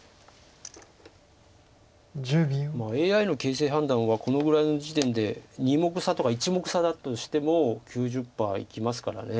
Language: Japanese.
ＡＩの形勢判断はこのぐらいの時点で２目差とか１目差だとしても９０％いきますから。